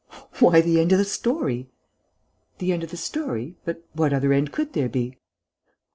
"Why, the end of the story...." "The end of the story? But what other end could there be?"